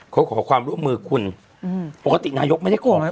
เขาขอความร่วมมืออืมประกอติดิฉนายกไม่ใช่ก่อ